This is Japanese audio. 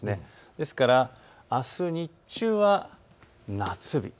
ですからあす日中は夏日。